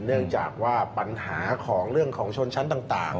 เนื่องจากว่าปัญหาของเรื่องของชนชั้นต่าง